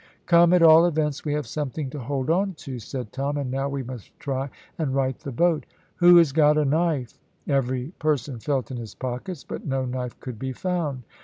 "Come, at all events we have something to hold on to," said Tom, "and now we must try and right the boat." "Who has got a knife?" Every person felt in his pockets, but no knife could be found.